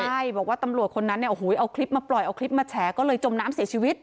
ใช่บอกว่าตำรวจคนนั้นเนี่ยโอ้โหเอาคลิปมาปล่อยเอาคลิปมาแฉก็เลยจมน้ำเสียชีวิต